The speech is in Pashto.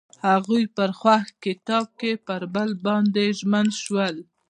هغوی په خوښ کتاب کې پر بل باندې ژمن شول.